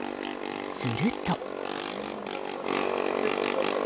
すると。